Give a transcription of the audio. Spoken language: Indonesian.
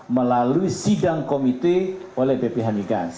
melalui sidang komite oleh bph migas